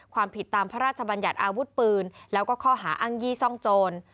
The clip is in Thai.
ความผิดตามพระราชบัญญัติอาวุธปืนแล้วก็ข้อหาอ้างยี่ซ่องโจร